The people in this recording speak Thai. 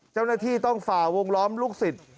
เจ้าหน้าที่ต้องฝ่าวงล้อมลูกศิษย์